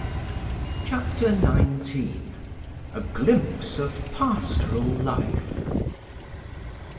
CHAPTER XIX A GLIMPSE OF PASTORAL LIFE.